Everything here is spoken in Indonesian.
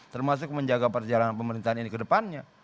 termasuk menjaga perjalanan pemerintahan ini ke depannya